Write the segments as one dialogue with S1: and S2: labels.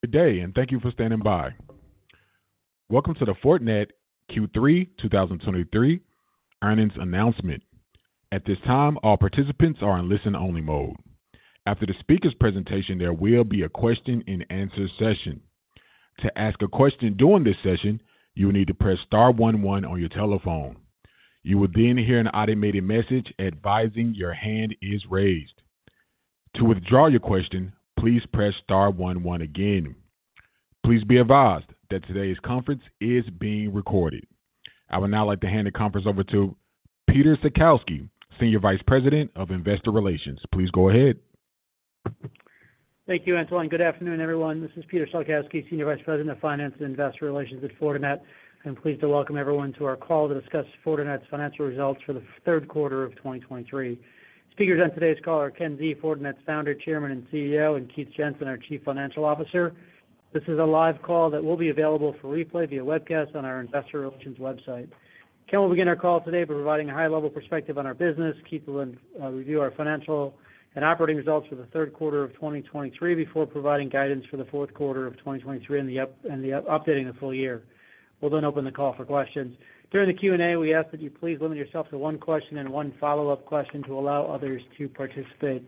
S1: Good day, and thank you for standing by. Welcome to the Fortinet Q3 2023 Earnings Announcement. At this time, all participants are in listen-only mode. After the speaker's presentation, there will be a question-and-answer session. To ask a question during this session, you will need to press Star 1 1 on your telephone. You will then hear an automated message advising your hand is raised. To withdraw your question, please press Star 1 1 again. Please be advised that today's conference is being recorded. I would now like to hand the conference over to Peter Salkowski, Senior Vice President of Investor Relations. Please go ahead.
S2: Thank you, Anton. Good afternoon, everyone. This is Peter Salkowski, Senior Vice President of Finance and Investor Relations at Fortinet. I'm pleased to welcome everyone to our call to discuss Fortinet's financial results for the Q3 of 2023. Speakers on today's call are Ken Xie, Fortinet's Founder, Chairman, and CEO, and Keith Jensen, our Chief Financial Officer. This is a live call that will be available for replay via webcast on our investor relations website. Ken will begin our call today by providing a high-level perspective on our business. Keith will review our financial and operating results for the Q3 of 2023 before providing guidance for the Q4 of 2023 and updating the full year. We'll then open the call for questions. During the Q&A, we ask that you please limit yourself to one question and one follow-up question to allow others to participate.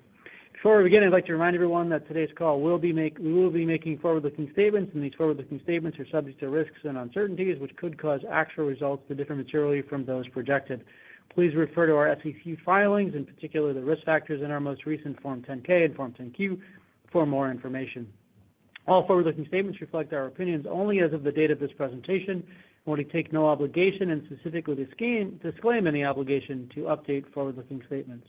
S2: Before we begin, I'd like to remind everyone that today's call, we will be making forward-looking statements, and these forward-looking statements are subject to risks and uncertainties, which could cause actual results to differ materially from those projected. Please refer to our SEC filings, in particular, the risk factors in our most recent Form 10-K and Form 10-Q for more information. All forward-looking statements reflect our opinions only as of the date of this presentation. We want to take no obligation and specifically disclaim any obligation to update forward-looking statements.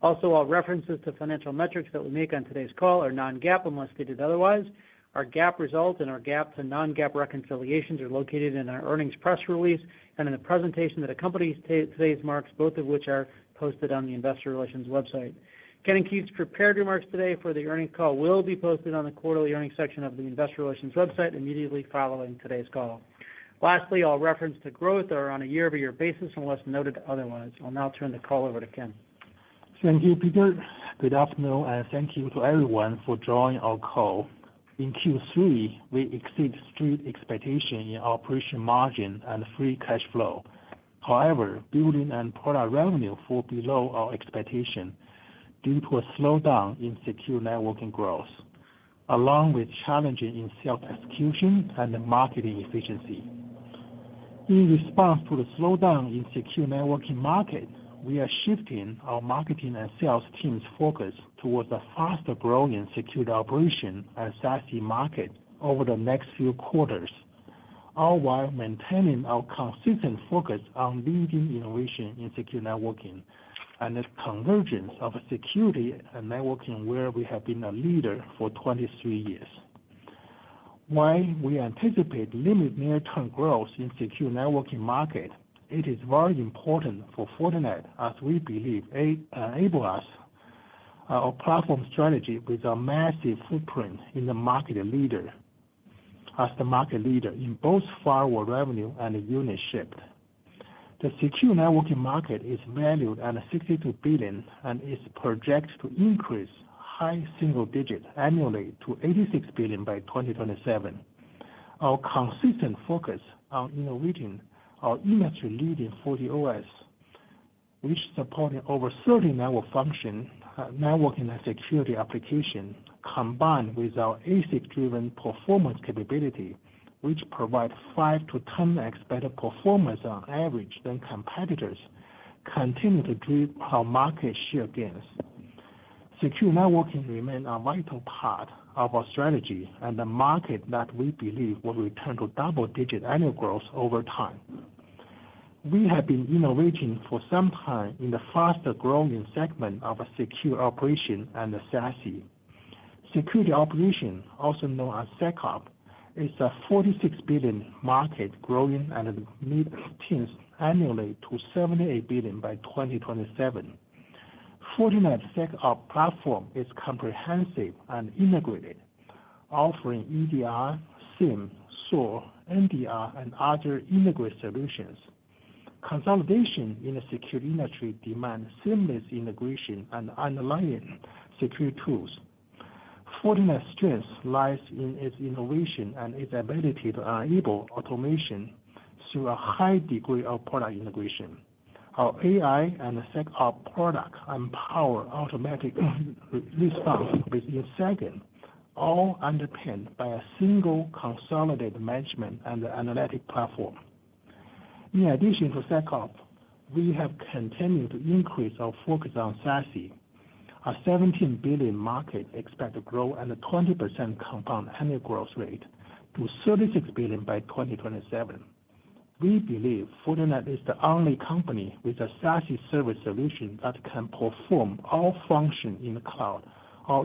S2: Also, all references to financial metrics that we make on today's call are non-GAAP, unless stated otherwise. Our GAAP results and our GAAP and non-GAAP reconciliations are located in our earnings press release and in the presentation that accompanies today's remarks, both of which are posted on the investor relations website. Ken and Keith's prepared remarks today for the earnings call will be posted on the quarterly earnings section of the investor relations website immediately following today's call. Lastly, I'll reference the growth rates are on a year-over-year basis, unless noted otherwise. I'll now turn the call over to Ken.
S3: Thank you, Peter. Good afternoon, and thank you to everyone for joining our call. In Q3, we exceeded Street expectations in our operating margin and free cash flow. However, billings and product revenue fell below our expectation due to a slowdown in Secure Networking growth, along with challenges in sales execution and the marketing efficiency. In response to the slowdown in Secure Networking market, we are shifting our marketing and sales team's focus towards a faster growing secure operations and SASE market over the next few quarters, all while maintaining our consistent focus on leading innovation in Secure Networking and the convergence of security and networking, where we have been a leader for 23 years. While we anticipate limited near-term growth in the Secure Networking market, it is very important for Fortinet, as we believe it enables us, our platform strategy with a massive footprint in the market leader, as the market leader in both firewall revenue and units shipped. The Secure Networking market is valued at $62 billion and is projected to increase high single digits annually to $86 billion by 2027. Our consistent focus on innovating our industry-leading FortiOS, which support over 30 network function networking and security applications, combined with our ASIC-driven performance capability, which provide 5-10 times better performance on average than competitors, continue to drive our market share gains. Secure Networking remain a vital part of our strategy and the market that we believe will return to double-digit annual growth over time. We have been innovating for some time in the faster-growing segment of a secure operation and the SASE. Security operation, also known as SecOps, is a $46 billion market growing at a mid-teens annually to $78 billion by 2027. Fortinet SecOps platform is comprehensive and integrated, offering EDR, SIEM, SOAR, NDR, and other integrated solutions. Consolidation in a security industry demands seamless integration and underlying security tools. Fortinet's strength lies in its innovation and its ability to enable automation through a high degree of product integration. Our AI and SecOps products empower automatic response within seconds, all underpinned by a single consolidated management and analytic platform. In addition to SecOps, we have continued to increase our focus on SASE, a $17 billion market expected to grow at a 20% compound annual growth rate to $36 billion by 2027. We believe Fortinet is the only company with a SASE service solution that can perform all functions in the cloud or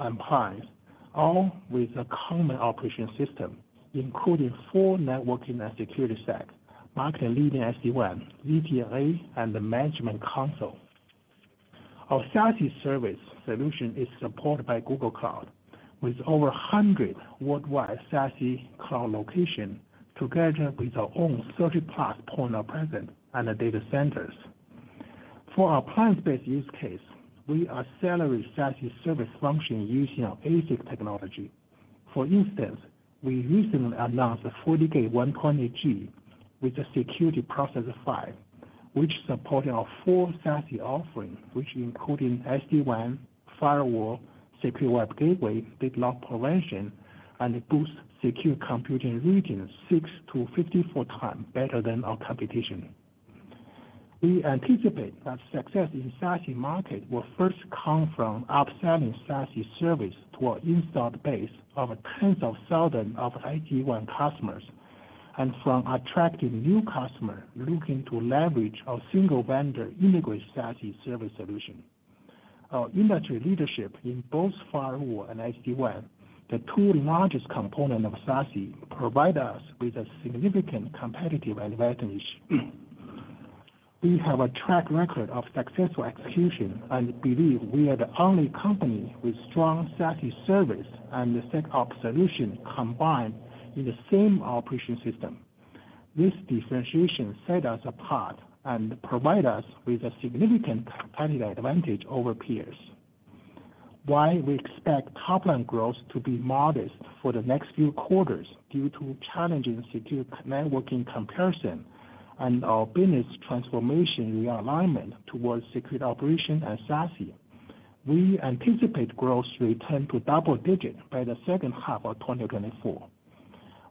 S3: on-prem and hybrid, all with a common operating system, including full networking and security stack, market-leading SD-WAN, ZTNA, and the management console. Our SASE service solution is supported by Google Cloud, with over 100 worldwide SASE cloud locations, together with our own 30-plus points of presence and the data centers. For our appliance-based use case, we accelerate SASE service functions using our ASIC technology. For instance, we recently announced a FortiGate 90G with a Security Processor 5, which supports our full SASE offering, which includes SD-WAN, firewall, secure web gateway, data loss prevention, and it boosts Security Compute Rating 6 to 54 times better than our competition. We anticipate that success in the SASE market will first come from upselling SASE service to our installed base of tens of thousands of IT WAN customers, and from attracting new customers looking to leverage our single-vendor integrated SASE service solution. Our industry leadership in both firewall and SD-WAN, the two largest components of SASE, provides us with a significant competitive advantage. We have a track record of successful execution and believe we are the only company with strong SASE service and the SecOps solution combined in the same operating system. This differentiation sets us apart and provides us with a significant competitive advantage over peers. While we expect top-line growth to be modest for the next few quarters due to challenging Secure Networking comparisons and our business transformation realignment towards secure operations and SASE, we anticipate growth rate turning to double digits by the second half of 2024.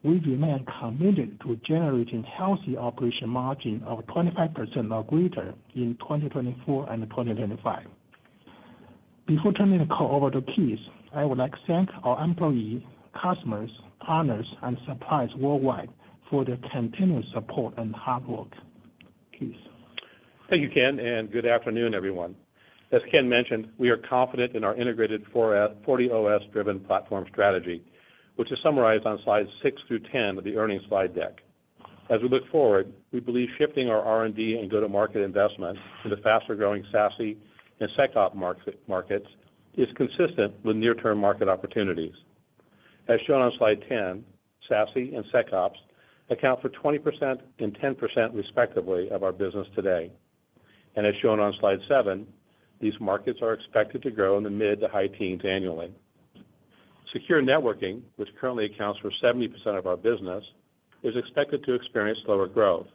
S3: We remain committed to generating healthy operating margin of 25% or greater in 2024 and 2025. Before turning the call over to Keith, I would like to thank our employees, customers, partners, and suppliers worldwide for their continuous support and hard work. Keith?
S4: Thank you, Ken, and good afternoon, everyone. As Ken mentioned, we are confident in our integrated FortiOS-driven platform strategy, which is summarized on slides 6 through 10 of the earnings slide deck. As we look forward, we believe shifting our R&D and go-to-market investment to the faster-growing SASE and SecOps markets is consistent with near-term market opportunities. As shown on slide 10, SASE and SecOps account for 20% and 10%, respectively, of our business today. As shown on slide seven, these markets are expected to grow in the mid- to high teens annually. Secure Networking, which currently accounts for 70% of our business, is expected to experience slower growth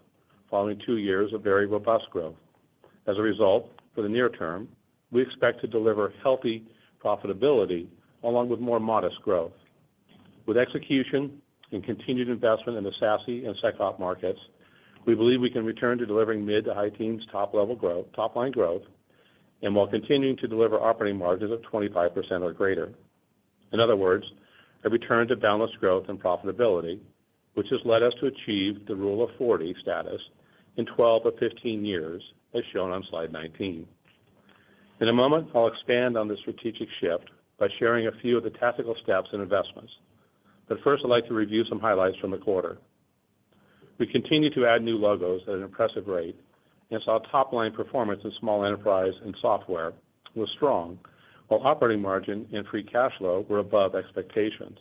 S4: following two years of very robust growth. As a result, for the near term, we expect to deliver healthy profitability along with more modest growth. With execution and continued investment in the SASE and SecOps markets, we believe we can return to delivering mid to high teens top level growth, top line growth, and while continuing to deliver operating margins of 25% or greater. In other words, a return to balanced growth and profitability, which has led us to achieve the Rule of 40 status in 12 or 15 years, as shown on slide 19. In a moment, I'll expand on the strategic shift by sharing a few of the tactical steps and investments. But first, I'd like to review some highlights from the quarter. We continue to add new logos at an impressive rate and saw top line performance in small enterprise and software was strong, while operating margin and free cash flow were above expectations.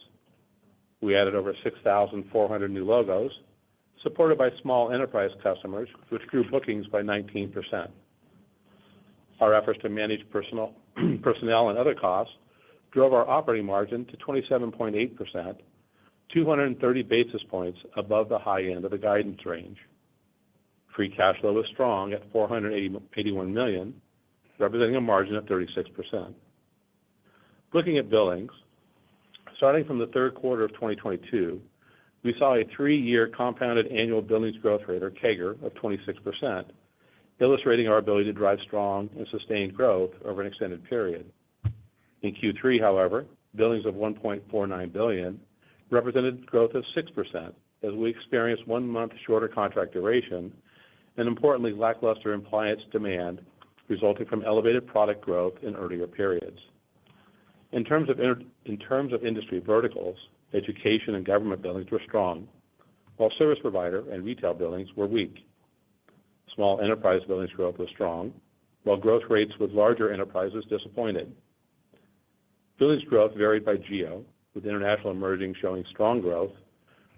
S4: We added over 6,400 new logos, supported by small enterprise customers, which grew bookings by 19%. Our efforts to manage personal, personnel and other costs drove our operating margin to 27.8%, 230 basis points above the high end of the guidance range. Free cash flow was strong at $481 million, representing a margin of 36%. Looking at billings, starting from the Q3 of 2022, we saw a three-year compounded annual billings growth rate, or CAGR, of 26%, illustrating our ability to drive strong and sustained growth over an extended period. In Q3, however, billings of $1.49 billion represented growth of 6%, as we experienced one month shorter contract duration, and importantly, lackluster appliance demand resulting from elevated product growth in earlier periods. In terms of industry verticals, education and government billings were strong, while service provider and retail billings were weak. Small enterprise billings growth was strong, while growth rates with larger enterprises disappointed. Billings growth varied by geo, with international emerging showing strong growth,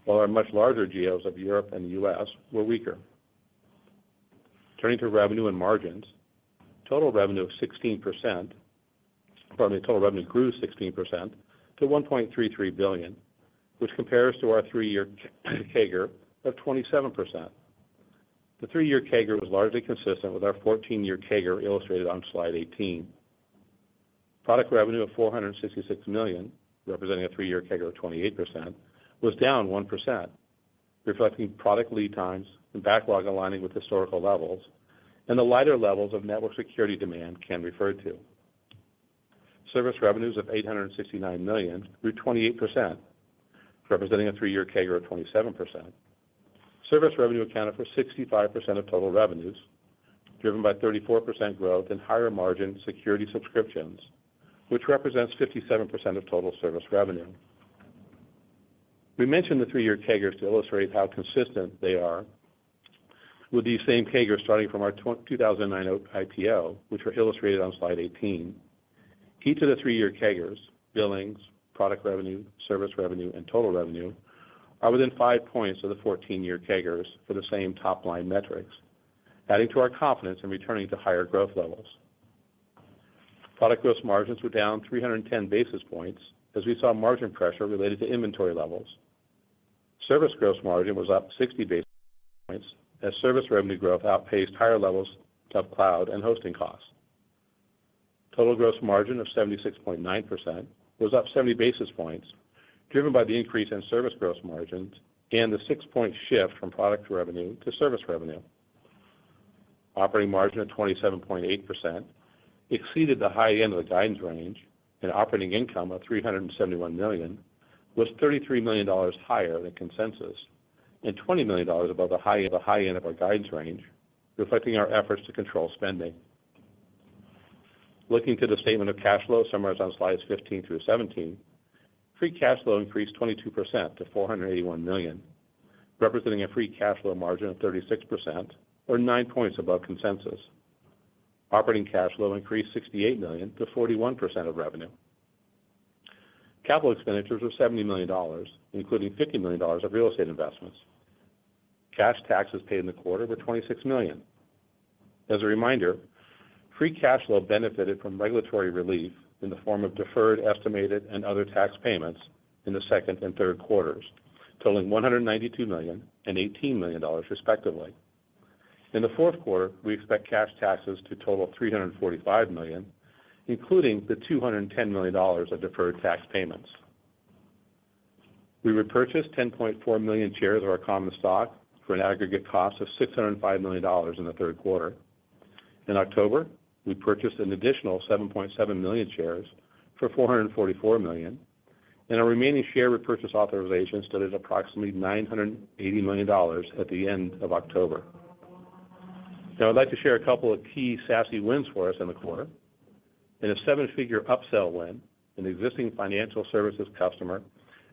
S4: while our much larger geos of Europe and the US were weaker. Turning to revenue and margins, total revenue of 16%, pardon me, total revenue grew 16% to $1.33 billion, which compares to our three-year CAGR of 27%. The three-year CAGR was largely consistent with our 14-year CAGR, illustrated on slide 18. Product revenue of $466 million, representing a three-year CAGR of 28%, was down 1%, reflecting product lead times and backlog aligning with historical levels and the lighter levels of network security demand Ken referred to. Service revenues of $869 million grew 28%, representing a three-year CAGR of 27%. Service revenue accounted for 65% of total revenues, driven by 34% growth in higher margin security subscriptions, which represents 57% of total service revenue. We mentioned the three-year CAGRs to illustrate how consistent they are with these same CAGRs starting from our 2009 IPO, which were illustrated on slide 18. Key to the three-year CAGRs, billings, product revenue, service revenue, and total revenue are within five points of the 14-year CAGRs for the same top-line metrics, adding to our confidence in returning to higher growth levels. Product gross margins were down 310 basis points as we saw margin pressure related to inventory levels. Service gross margin was up 60 basis points, as service revenue growth outpaced higher levels of cloud and hosting costs. Total gross margin of 76.9% was up 70 basis points, driven by the increase in service gross margins and the 6-point shift from product revenue to service revenue. Operating margin of 27.8% exceeded the high end of the guidance range, and operating income of $371 million was $33 million higher than consensus, and $20 million above the high end of our guidance range, reflecting our efforts to control spending. Looking to the statement of cash flow, summarized on slides 15 through 17, free cash flow increased 22% to $481 million, representing a free cash flow margin of 36% or 9 points above consensus. Operating cash flow increased $68 million to 41% of revenue. Capital expenditures were $70 million, including $50 million of real estate investments. Cash taxes paid in the quarter were $26 million. As a reminder, free cash flow benefited from regulatory relief in the form of deferred, estimated, and other tax payments in the second and Q3s, totaling $192 million and $18 million, respectively. In the Q4, we expect cash taxes to total $345 million, including the $210 million of deferred tax payments. We repurchased 10.4 million shares of our common stock for an aggregate cost of $605 million in the Q3. In October, we purchased an additional 7.7 million shares for $444 million, and our remaining share repurchase authorization stood at approximately $980 million at the end of October. Now, I'd like to share a couple of key SASE wins for us in the quarter. In a seven-figure upsell win, an existing financial services customer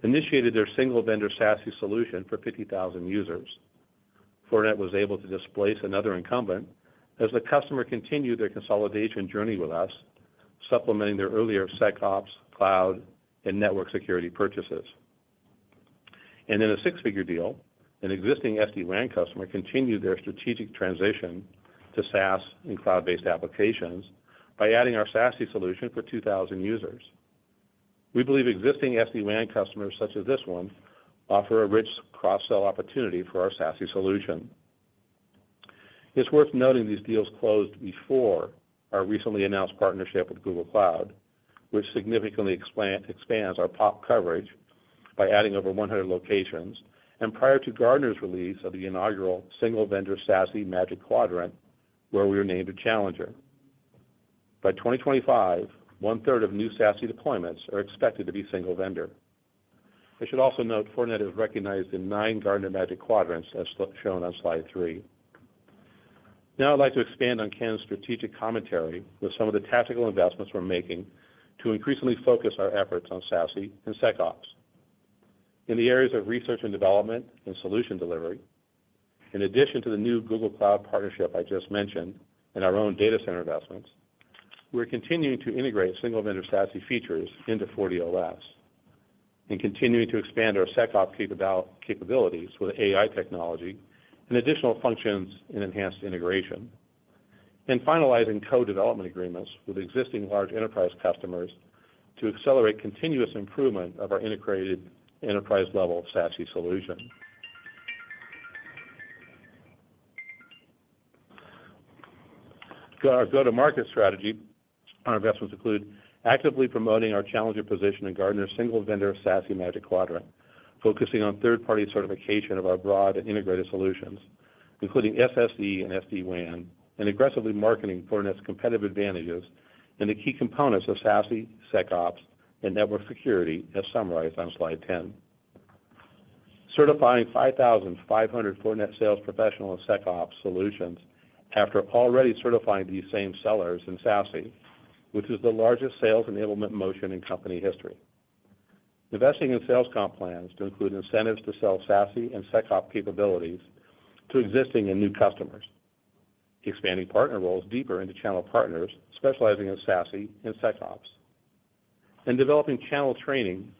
S4: initiated their single vendor SASE solution for 50,000 users. Fortinet was able to displace another incumbent as the customer continued their consolidation journey with us, supplementing their earlier SecOps, cloud, and network security purchases. In a six-figure deal, an existing SD-WAN customer continued their strategic transition to SaaS and cloud-based applications by adding our SASE solution for 2,000 users. We believe existing SD-WAN customers, such as this one, offer a rich cross-sell opportunity for our SASE solution. It's worth noting these deals closed before our recently announced partnership with Google Cloud, which significantly expands our POP coverage by adding over 100 locations, and prior to Gartner's release of the inaugural single vendor SASE Magic Quadrant, where we were named a challenger. By 2025, one-third of new SASE deployments are expected to be single vendor. I should also note Fortinet is recognized in 9 Gartner Magic Quadrants, as shown on Slide 3. Now I'd like to expand on Ken's strategic commentary with some of the tactical investments we're making to increasingly focus our efforts on SASE and SecOps. In the areas of research and development and solution delivery, in addition to the new Google Cloud partnership I just mentioned and our own data center investments, we're continuing to integrate single vendor SASE features into FortiOS, and continuing to expand our SecOps capabilities with AI technology and additional functions and enhanced integration, and finalizing co-development agreements with existing large enterprise customers to accelerate continuous improvement of our integrated enterprise-level SASE solution. For our go-to-market strategy, our investments include actively promoting our challenger position in Gartner's single vendor SASE Magic Quadrant, focusing on third-party certification of our broad and integrated solutions, including SSE and SD-WAN, and aggressively marketing Fortinet's competitive advantages and the key components of SASE, SecOps, and network security, as summarized on Slide 10. Certifying 5,500 Fortinet sales professionals in SecOps solutions after already certifying these same sellers in SASE, which is the largest sales enablement motion in company history. Investing in sales comp plans to include incentives to sell SASE and SecOps capabilities to existing and new customers. Expanding partner roles deeper into channel partners, specializing in SASE and SecOps, and developing channel training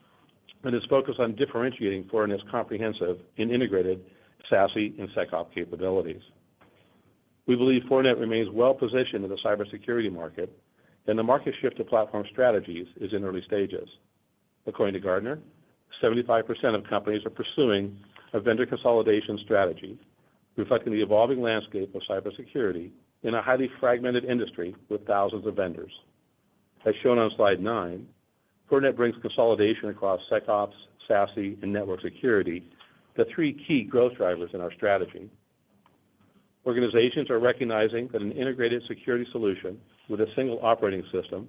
S4: that is focused on differentiating Fortinet's comprehensive and integrated SASE and SecOps capabilities. We believe Fortinet remains well positioned in the cybersecurity market, and the market shift to platform strategies is in early stages. According to Gartner, 75% of companies are pursuing a vendor consolidation strategy, reflecting the evolving landscape of cybersecurity in a highly fragmented industry with thousands of vendors. As shown on Slide 9, Fortinet brings consolidation across SecOps, SASE, and network security, the three key growth drivers in our strategy. Organizations are recognizing that an integrated security solution with a single operating system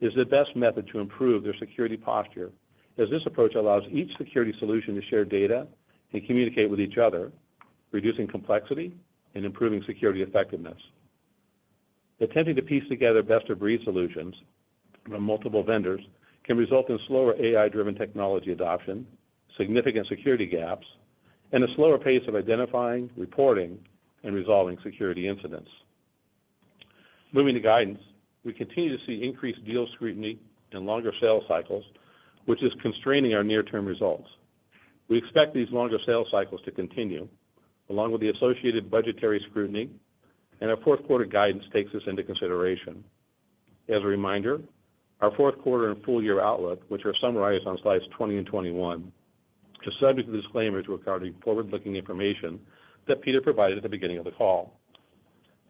S4: is the best method to improve their security posture, as this approach allows each security solution to share data and communicate with each other, reducing complexity and improving security effectiveness. Attempting to piece together best-of-breed solutions from multiple vendors can result in slower AI-driven technology adoption, significant security gaps and a slower pace of identifying, reporting, and resolving security incidents. Moving to guidance, we continue to see increased deal scrutiny and longer sales cycles, which is constraining our near-term results. We expect these longer sales cycles to continue, along with the associated budgetary scrutiny, and our Q4 guidance takes this into consideration. As a reminder, our Q4 and full year outlook, which are summarized on slides 20 and 21, are subject to disclaimers regarding forward-looking information that Peter provided at the beginning of the call.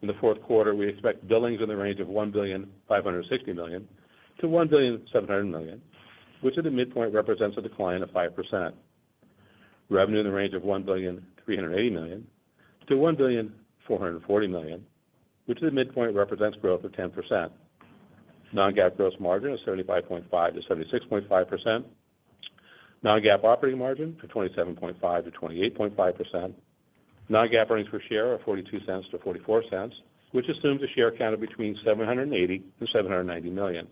S4: In the Q4, we expect billings in the range of $1.56 billion-$1.7 billion, which at the midpoint represents a decline of 5%. Revenue in the range of $1.38 billion-$1.44 billion, which at the midpoint represents growth of 10%. Non-GAAP gross margin of 75.5%-76.5%. Non-GAAP operating margin to 27.5%-28.5%. Non-GAAP earnings per share are $0.42-$0.44, which assumes a share count of between 780 million to 790 million.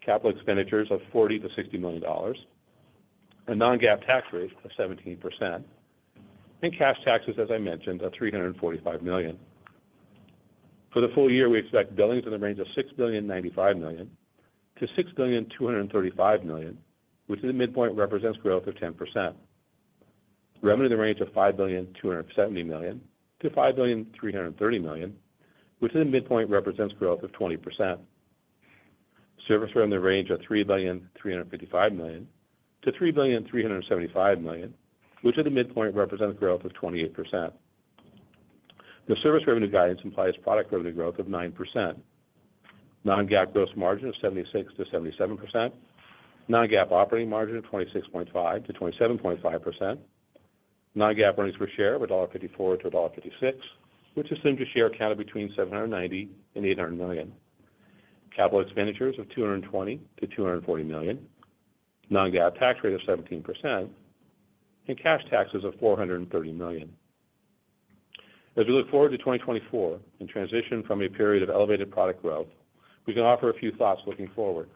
S4: Capital expenditures of $40 million-$60 million, a non-GAAP tax rate of 17%, and cash taxes, as I mentioned, of $345 million. For the full year, we expect billings in the range of $6.095 billion-$6.235 billion, which at the midpoint represents growth of 10%. Revenue in the range of $5.27 billion-$5.33 billion, which in the midpoint represents growth of 20%. Service revenue in the range of $3.355 billion-$3.375 billion, which at the midpoint represents growth of 28%. The service revenue guidance implies product revenue growth of 9%. Non-GAAP gross margin of 76%-77%. Non-GAAP operating margin of 26.5%-27.5%. Non-GAAP earnings per share of $1.54-$1.56, which assumes a share count of between 790 million and 800 million. Capital expenditures of $220 million-$240 million. Non-GAAP tax rate of 17%, and cash taxes of $430 million. As we look forward to 2024 and transition from a period of elevated product growth, we can offer a few thoughts looking forward.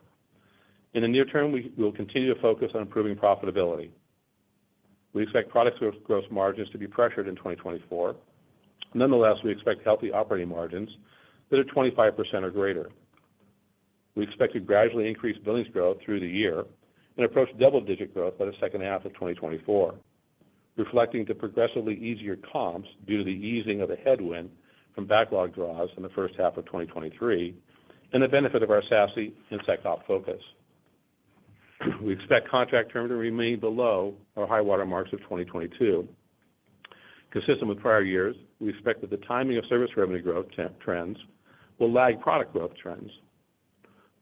S4: In the near term, we will continue to focus on improving profitability. We expect product growth, gross margins to be pressured in 2024. Nonetheless, we expect healthy operating margins that are 25% or greater. We expect to gradually increase billings growth through the year and approach double-digit growth by the second half of 2024, reflecting the progressively easier comps due to the easing of the headwind from backlog draws in the first half of 2023 and the benefit of our SASE and SecOps focus. We expect contract term to remain below our high-water marks of 2022. Consistent with prior years, we expect that the timing of service revenue growth trends will lag product growth trends.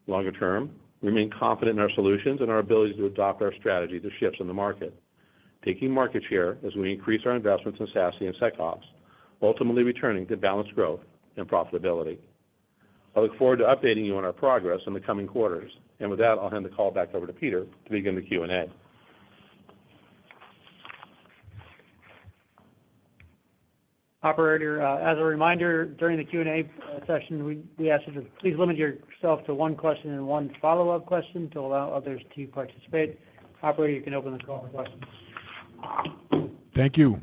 S4: Longer term, we remain confident in our solutions and our ability to adopt our strategy to shifts in the market, taking market share as we increase our investments in SASE and SecOps, ultimately returning to balanced growth and profitability. I look forward to updating you on our progress in the coming quarters. And with that, I'll hand the call back over to Peter to begin the Q&A.
S2: Operator, as a reminder, during the Q&A session, we ask you to please limit yourself to one question and one follow-up question to allow others to participate. Operator, you can open the call for questions.
S1: Thank you.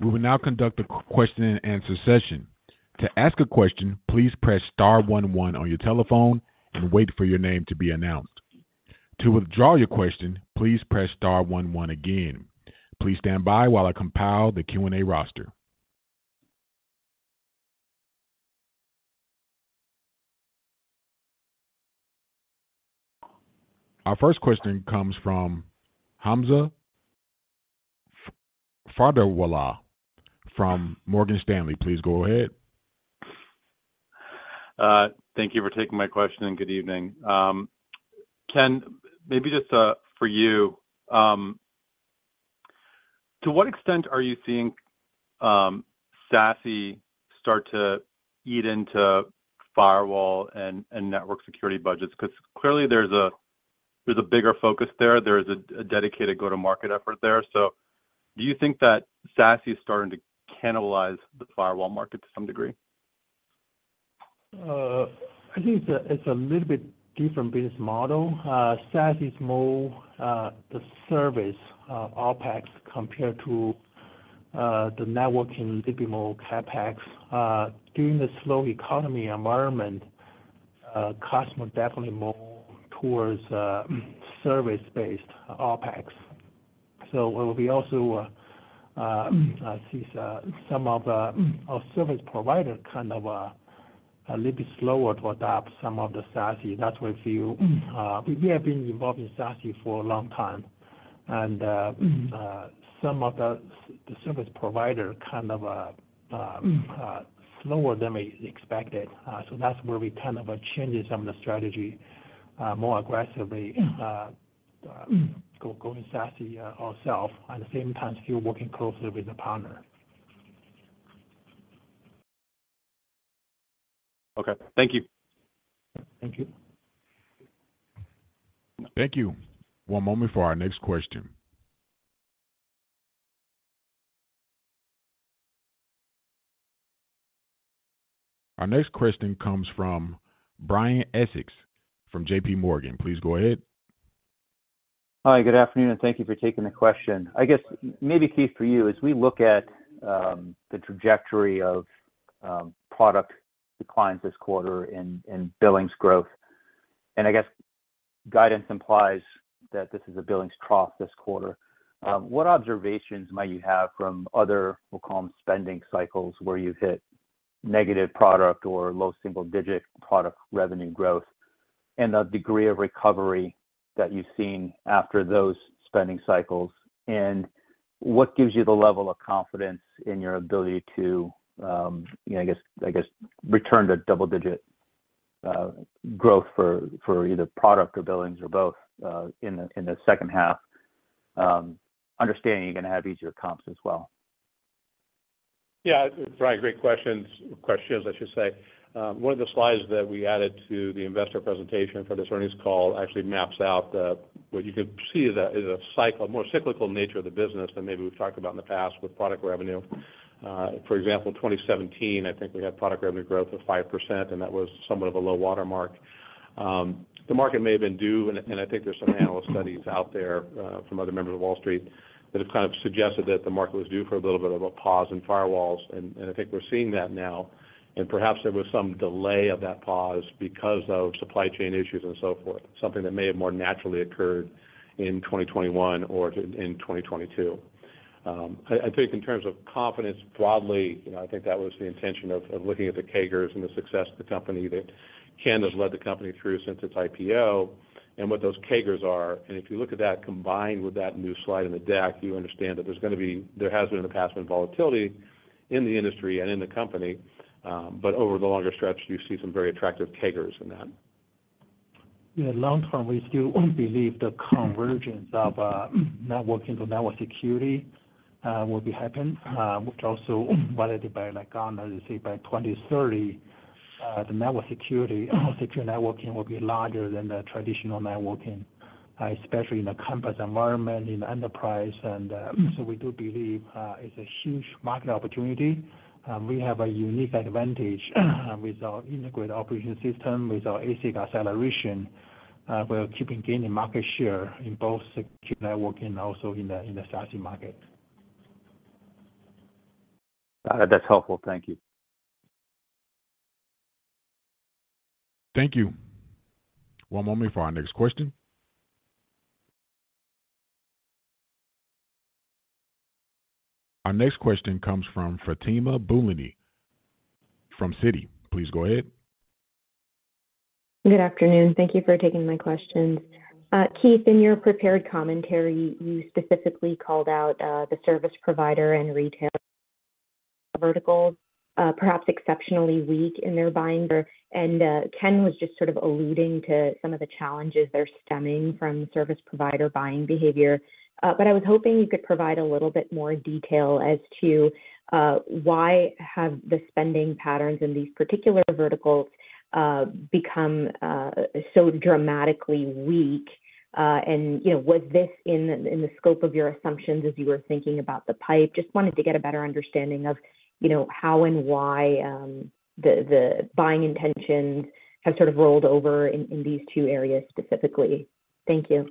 S1: We will now conduct a question and answer session. To ask a question, please press star 1 1 on your telephone and wait for your name to be announced. To withdraw your question, please press star 1 1 again. Please stand by while I compile the Q&A roster. Our first question comes from Hamza Fodderwala from Morgan Stanley. Please go ahead.
S5: Thank you for taking my question, and good evening. Ken, maybe just for you, to what extent are you seeing SASE start to eat into firewall and network security budgets? Because clearly there's a bigger focus there. There is a dedicated go-to-market effort there. So do you think that SASE is starting to cannibalize the firewall market to some degree?
S3: I think it's a little bit different business model. SASE is more the service OpEx, compared to the networking, maybe more CapEx. During the slow economy environment, customers are definitely more towards service-based OpEx. So we will be also I see some of our service provider kind of a little bit slower to adopt some of the SASE. That's what we feel. We have been involved in SASE for a long time, and some of the service provider kind of slower than we expected. So that's where we kind of changes some of the strategy more aggressively going SASE ourselves, at the same time, still working closely with the partner.
S5: Okay. Thank you.
S3: Thank you.
S1: Thank you. One moment for our next question. Our next question comes from Brian Essex from JPMorgan. Please go ahead.
S6: Hi, good afternoon, and thank you for taking the question. I guess maybe, Keith, for you, as we look at the trajectory of product declines this quarter in billings growth, and I guess guidance implies that this is a billings trough this quarter, what observations might you have from other, we'll call them, spending cycles, where you've hit negative product or low single-digit product revenue growth, and the degree of recovery that you've seen after those spending cycles? And what gives you the level of confidence in your ability to, you know, I guess, I guess, return to double-digit growth for either product or billings or both in the second half, understanding you're going to have easier comps as well?
S4: Yeah, Brian, great questions, questions I should say. One of the slides that we added to the investor presentation for this earnings call actually maps out the, what you can see is a cycle, more cyclical nature of the business than maybe we've talked about in the past with product revenue. For example, 2017, I think we had product revenue growth of 5%, and that was somewhat of a low watermark. The market may have been due, and I think there's some analyst studies out there from other members of Wall Street that have kind of suggested that the market was due for a little bit of a pause in firewalls. And I think we're seeing that now. Perhaps there was some delay of that pause because of supply chain issues and so forth, something that may have more naturally occurred in 2021 or in 2022. I think in terms of confidence, broadly, you know, I think that was the intention of looking at the CAGRs and the success of the company, that Ken has led the company through since its IPO, and what those CAGRs are. If you look at that, combined with that new slide in the deck, you understand that there's going to be, there has been in the past, been volatility in the industry and in the company, but over the longer stretch, you see some very attractive CAGRs in that.
S3: Yeah, long term, we still believe the convergence of, networking to network security, will be happen, which also validated by like Gartner. They say by 2030, the network security, Secure Networking will be larger than the traditional networking, especially in the campus environment, in the enterprise. So we do believe, it's a huge market opportunity. We have a unique advantage with our integrated operating system, with our ASIC acceleration. We're keeping gain in market share in both Secure Networking and also in the, in the SASE market.
S6: Got it. That's helpful. Thank you.
S1: Thank you. One moment for our next question. Our next question comes from Fatima Boolani from Citi. Please go ahead.
S7: Good afternoon. Thank you for taking my questions. Keith, in your prepared commentary, you specifically called out the service provider and retail verticals, perhaps exceptionally weak in their buying. And Ken was just sort of alluding to some of the challenges that are stemming from service provider buying behavior. But I was hoping you could provide a little bit more detail as to why have the spending patterns in these particular verticals become so dramatically weak? And you know, was this in the scope of your assumptions as you were thinking about the pipe? Just wanted to get a better understanding of you know, how and why the buying intentions have sort of rolled over in these two areas specifically. Thank you.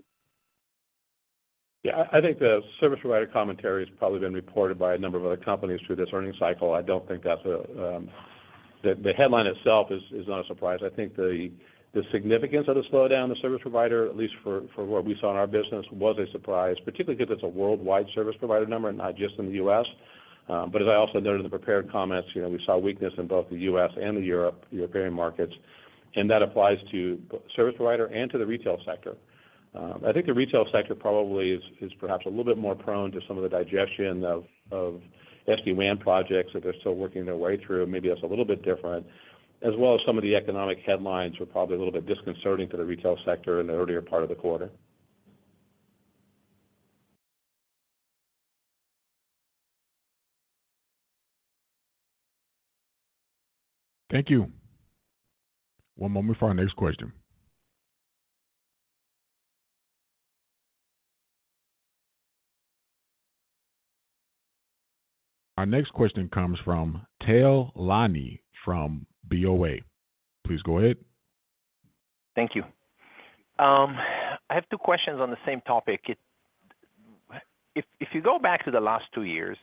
S4: Yeah. I think the service provider commentary has probably been reported by a number of other companies through this earnings cycle. I don't think that's the headline itself is not a surprise. I think the significance of the slowdown, the service provider, at least for what we saw in our business, was a surprise, particularly because it's a worldwide service provider number and not just in the U.S. But as I also noted in the prepared comments, you know, we saw weakness in both the U.S. and the European markets, and that applies to service provider and to the retail sector. I think the retail sector probably is perhaps a little bit more prone to some of the digestion of SD-WAN projects that they're still working their way through. Maybe that's a little bit different, as well as some of the economic headlines were probably a little bit disconcerting to the retail sector in the earlier part of the quarter.
S1: Thank you. One moment for our next question. Our next question comes from Tal Liani from BofA. Please go ahead.
S8: Thank you. I have two questions on the same topic. If you go back to the last two years,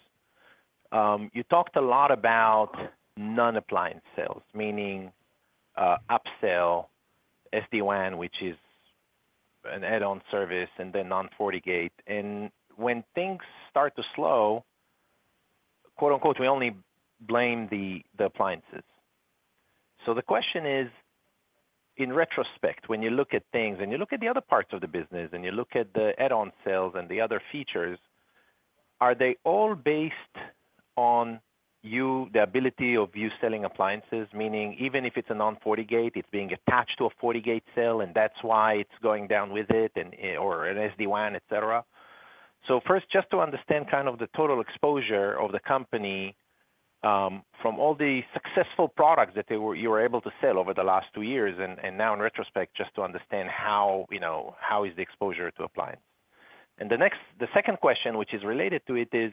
S8: you talked a lot about non-appliance sales, meaning upsell SD-WAN, which is an add-on service and then non-FortiGate. And when things start to slow, quote unquote, "We only blame the appliances." So the question is: In retrospect, when you look at things and you look at the other parts of the business and you look at the add-on sales and the other features, are they all based on you, the ability of you selling appliances? Meaning even if it's a non-FortiGate, it's being attached to a FortiGate sale, and that's why it's going down with it and, or an SD-WAN, et cetera. So first, just to understand kind of the total exposure of the company, from all the successful products that they were-- you were able to sell over the last two years, and now in retrospect, just to understand how, you know, how is the exposure to appliance? And the next, the second question, which is related to it, is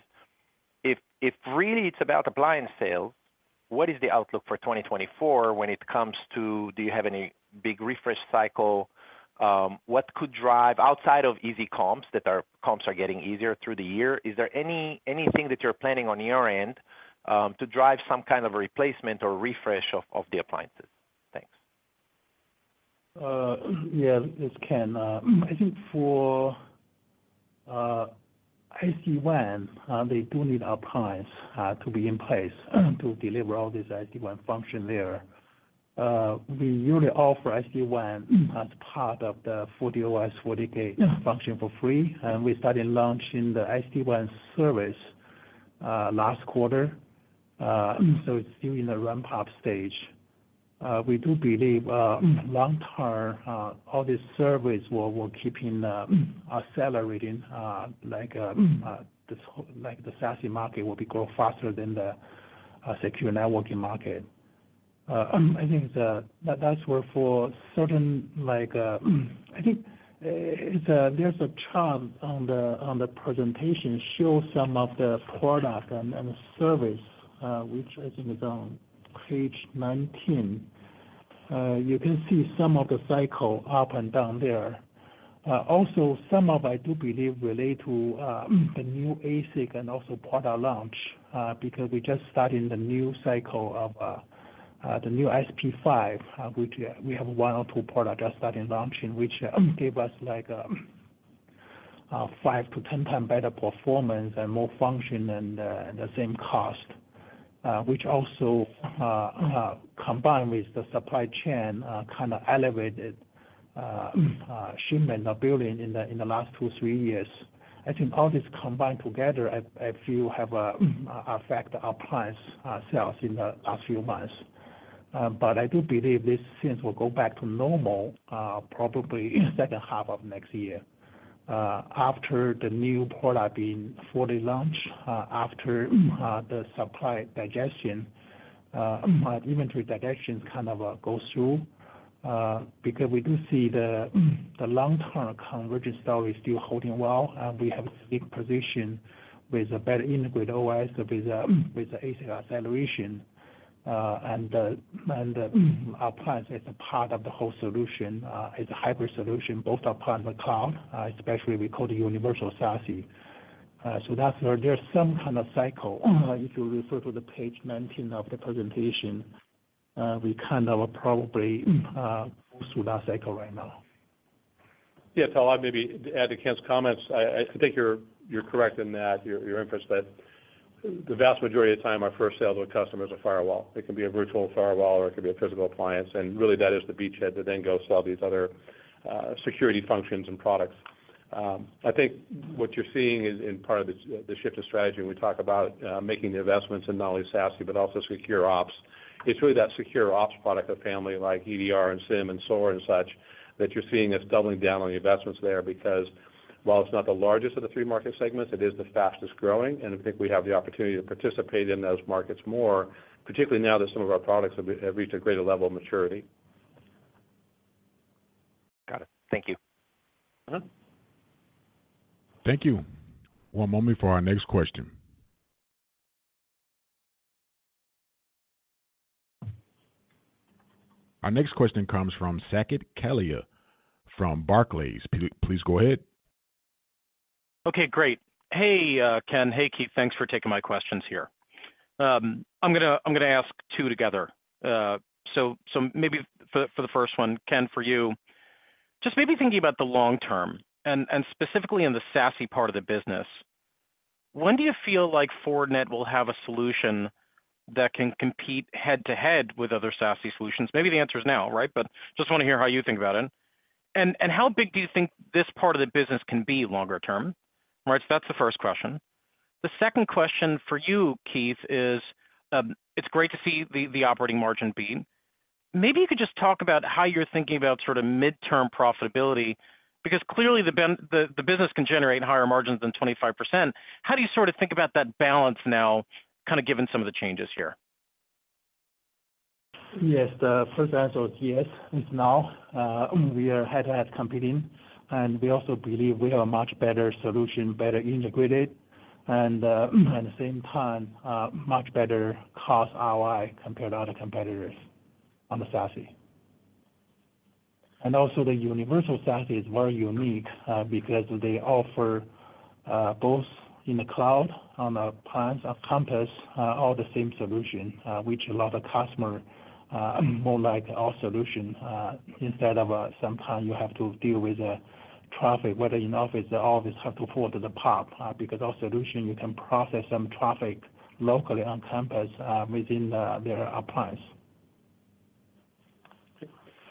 S8: if really it's about appliance sales, what is the outlook for 2024 when it comes to do you have any big refresh cycle? What could drive outside of easy comps, that our comps are getting easier through the year, is there anything that you're planning on your end to drive some kind of replacement or refresh of the appliances? Thanks.
S3: Yeah, it's Ken. I think for SD-WAN, they do need our appliance to be in place, to deliver all these SD-WAN function there. We usually offer SD-WAN as part of the FortiOS, FortiGate function for free, and we started launching the SD-WAN service last quarter. So it's still in the ramp-up stage. We do believe long term, all these surveys will keeping accelerating, like this, like, the SASE market will be grow faster than the Secure Networking market. I think that's where for certain, like, I think it's a- there's a chart on the presentation, shows some of the product and service, which I think is on page 19. You can see some of the cycle up and down there. Also, some of I do believe relate to the new ASIC and also product launch because we just starting the new cycle of the new SP5, which we have one or two products just starting launching, which gave us like 5-10 times better performance and more function and the same cost. Which also combined with the supply chain kind of elevated shipment or building in the last two, three years. I think all this combined together, I feel have an effect our clients sales in the last few months. But I do believe these things will go back to normal, probably second half of next year, after the new product being fully launched, after the supply digestion, inventory digestion kind of goes through. Because we do see the long-term convergence story is still holding well, and we have a big position with a better integrated OS with the ASIC acceleration, and the appliance is a part of the whole solution, is a hybrid solution, both on-prem and cloud, especially we call the Universal SASE. So that's where there's some kind of cycle. If you refer to the page 19 of the presentation, we kind of are probably go through that cycle right now.
S4: Yeah, so I'll maybe add to Ken's comments. I think you're correct in that, your inference that the vast majority of time, our first sale to a customer is a firewall. It can be a virtual firewall, or it could be a physical appliance, and really that is the beachhead to then go sell these other security functions and products. I think what you're seeing is in part of the shift of strategy we talk about making the investments in not only SASE, but also SecOps. It's really that SecOps product family, like EDR and SIEM and SOAR and such, that you're seeing us doubling down on the investments there, because while it's not the largest of the three market segments, it is the fastest growing, and I think we have the opportunity to participate in those markets more, particularly now that some of our products have reached a greater level of maturity.
S8: Got it. Thank you.
S4: Uh-huh.
S1: Thank you. One moment for our next question. Our next question comes from Saket Kalia, from Barclays. Please, please go ahead.
S9: Okay, great. Hey, Ken. Hey, Keith. Thanks for taking my questions here. I'm gonna, I'm gonna ask two together. So, so maybe for, for the first one, Ken, for you, just maybe thinking about the long term, and, and specifically in the SASE part of the business, when do you feel like Fortinet will have a solution that can compete head-to-head with other SASE solutions? Maybe the answer is now, right? But just want to hear how you think about it. And, and how big do you think this part of the business can be longer term? Right, so that's the first question. The second question for you, Keith, is, it's great to see the, the operating margin beat. Maybe you could just talk about how you're thinking about sort of midterm profitability, because clearly the business can generate higher margins than 25%. How do you sort of think about that balance now, kind of given some of the changes here?
S3: Yes, the first answer is yes, it's now. We are head-to-head competing, and we also believe we have a much better solution, better integrated, and, at the same time, much better cost ROI compared to other competitors on the SASE. And also, the Universal SASE is very unique, because they offer, both in the cloud, on the appliance, on-premise, all the same solution, which a lot of customer, more like our solution, instead of, sometimes you have to deal with the traffic, whether in office, the office have to forward to the cloud, because our solution, you can process some traffic locally on campus, within the, their appliance.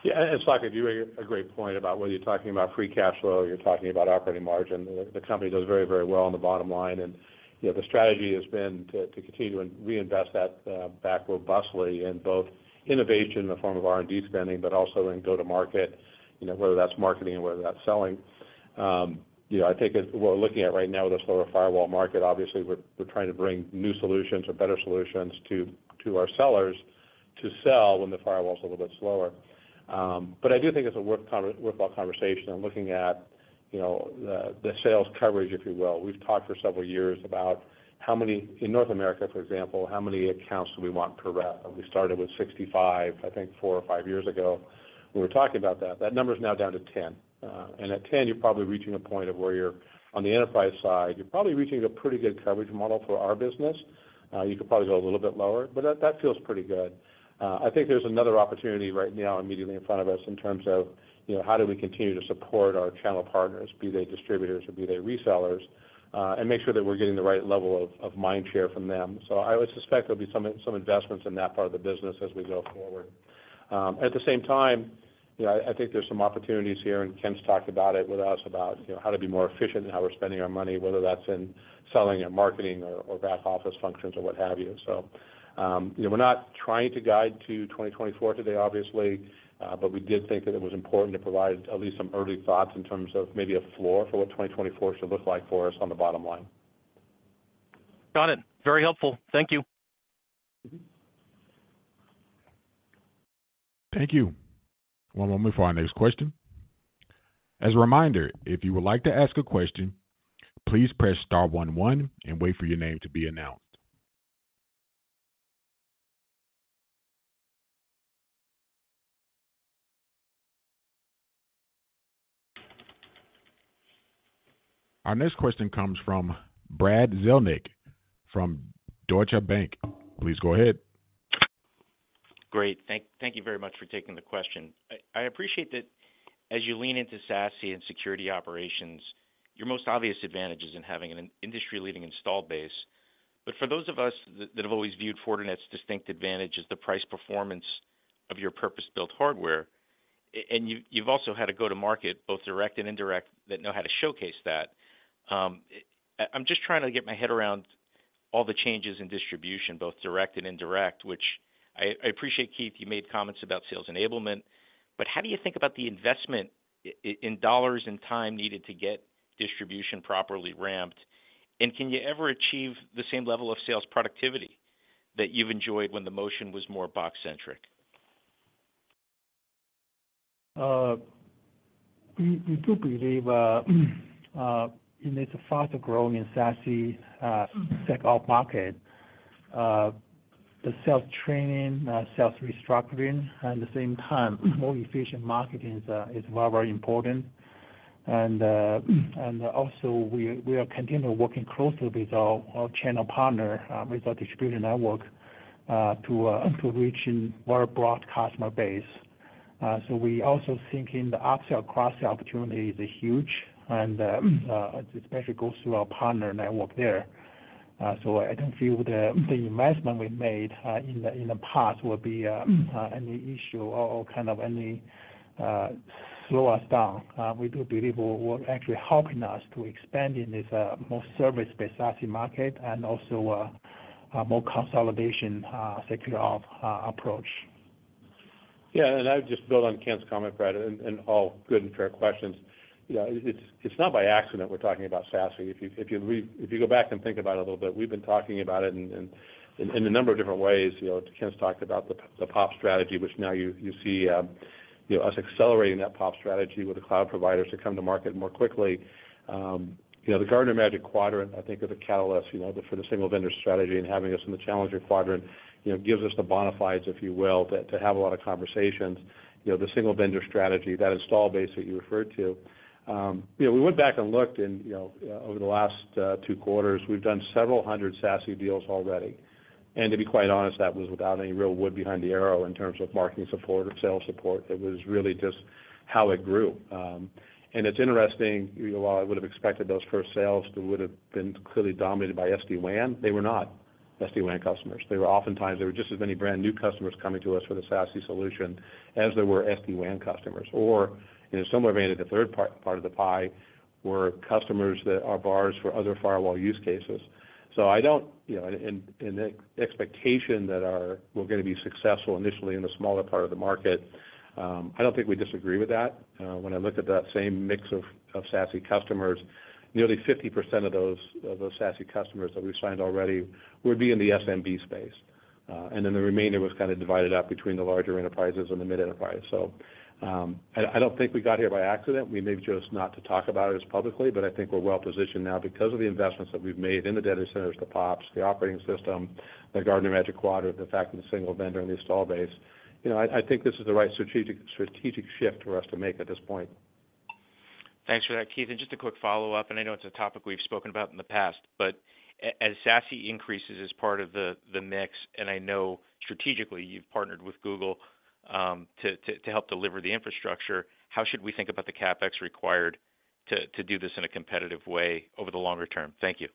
S4: Yeah, and Saket, you made a great point about whether you're talking about free cash flow or you're talking about operating margin. The company does very, very well on the bottom line. You know, the strategy has been to continue and reinvest that back robustly in both innovation in the form of R&D spending, but also in go-to-market, whether that's marketing or whether that's selling. You know, I think as we're looking at right now with this lower firewall market, obviously, we're trying to bring new solutions or better solutions to our sellers to sell when the firewall's a little bit slower. But I do think it's a worthwhile conversation. I'm looking at, you know, the sales coverage, if you will. We've talked for several years about how many in North America, for example, how many accounts do we want per rep? We started with 65, I think, four or five years ago, when we were talking about that. That number is now down to 10. And at 10, you're probably reaching a point of where you're on the enterprise side, you're probably reaching a pretty good coverage model for our business. You could probably go a little bit lower, but that, that feels pretty good. I think there's another opportunity right now immediately in front of us in terms of, you know, how do we continue to support our channel partners, be they distributors or be they resellers, and make sure that we're getting the right level of, of mind share from them. So I would suspect there'll be some some investments in that part of the business as we go forward. At the same time, you know, I think there's some opportunities here, and Ken's talked about it with us, about, you know, how to be more efficient in how we're spending our money, whether that's in selling or marketing or, or back office functions or what have you. So, you know, we're not trying to guide to 2024 today, obviously, but we did think that it was important to provide at least some early thoughts in terms of maybe a floor for what 2024 should look like for us on the bottom line.
S9: Got it. Very helpful. Thank you.
S1: Thank you. One moment for our next question. As a reminder, if you would like to ask a question, please press star one one and wait for your name to be announced. Our next question comes from Brad Zelnick from Deutsche Bank. Please go ahead.
S10: Great. Thank you very much for taking the question. I appreciate that as you lean into SASE and security operations, your most obvious advantage is in having an industry-leading installed base. But for those of us that have always viewed Fortinet's distinct advantage as the price performance of your purpose-built hardware, and you've also had a go to market, both direct and indirect, that know how to showcase that. I'm just trying to get my head around all the changes in distribution, both direct and indirect, which I appreciate, Keith, you made comments about sales enablement. But how do you think about the investment in dollars and time needed to get distribution properly ramped? And can you ever achieve the same level of sales productivity that you've enjoyed when the motion was more box-centric?
S3: We do believe in this faster growing in SASE, SecOps market, the sales training, sales restructuring, at the same time, more efficient marketing is very, very important. And also, we are continue working closely with our channel partner, with our distribution network, to reach in more broad customer base. So we also think in the upsell, cross-sell opportunity is huge and, especially goes through our partner network there. So I don't feel the investment we made in the past will be any issue or kind of any slow us down. We do believe will actually helping us to expand in this more service-based SASE market and also, a more consolidation secure approach.
S4: Yeah, and I would just build on Ken's comment, Brad, and, and all good and fair questions. You know, it's, it's not by accident we're talking about SASE. If you go back and think about it a little bit, we've been talking about it in a number of different ways. You know, Ken's talked about the, the POP strategy, which now you see, you know, us accelerating that POP strategy with the cloud providers to come to market more quickly. You know, the Gartner Magic Quadrant, I think, is a catalyst, you know, for the single vendor strategy and having us in the challenger quadrant, you know, gives us the bona fides, if you will, to have a lot of conversations. You know, the single vendor strategy, that installed base that you referred to, you know, we went back and looked and, you know, over the last two quarters, we've done several hundred SASE deals already. And to be quite honest, that was without any real wood behind the arrow in terms of marketing support or sales support. It was really just how it grew. And it's interesting, you know, while I would have expected those first sales to would have been clearly dominated by SD-WAN, they were not SD-WAN customers. They were oftentimes just as many brand new customers coming to us with a SASE solution as there were SD-WAN customers, or in some way, the third part of the pie were customers that are buyers for other firewall use cases. So I don't, you know, the expectation that we're gonna be successful initially in the smaller part of the market. I don't think we disagree with that. When I look at that same mix of SASE customers, nearly 50% of those SASE customers that we've signed already would be in the SMB space. And then the remainder was kind of divided up between the larger enterprises and the mid-enterprise. So I don't think we got here by accident. We may have chose not to talk about it as publicly, but I think we're well positioned now because of the investments that we've made in the data centers, the POPs, the operating system, the Gartner Magic Quadrant, the fact of the single vendor and the install base. You know, I think this is the right strategic shift for us to make at this point.
S10: Thanks for that, Keith. Just a quick follow-up, and I know it's a topic we've spoken about in the past, but as SASE increases as part of the mix, and I know strategically you've partnered with Google to help deliver the infrastructure, how should we think about the CapEx required to do this in a competitive way over the longer term? Thank you.